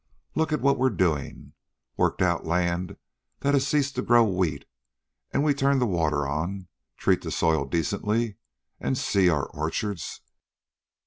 Look at what we're doing! Worked out land that had ceased to grow wheat, and we turn the water on, treat the soil decently, and see our orchards!